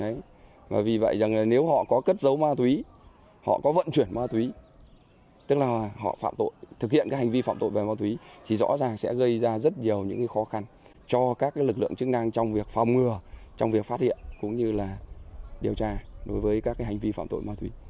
đấy và vì vậy rằng nếu họ có cất dấu ma túy họ có vận chuyển ma túy tức là họ phạm tội thực hiện cái hành vi phạm tội về ma túy thì rõ ràng sẽ gây ra rất nhiều những khó khăn cho các lực lượng chức năng trong việc phòng ngừa trong việc phát hiện cũng như là điều tra đối với các cái hành vi phạm tội ma túy